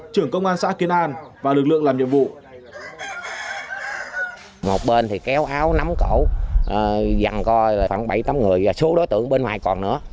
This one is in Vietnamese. trưởng công an xã kiến an và lực lượng làm nhiệm vụ